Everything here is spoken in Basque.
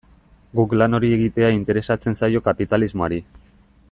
Guk lan hori egitea interesatzen zaio kapitalismoari.